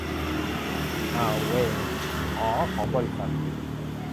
อ่าวเวร อ่อของบริษัท